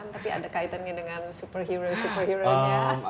tapi ada kaitannya dengan superhero superhero nya